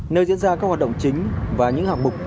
nơi diễn ra các hoạt động chính và những hạng mục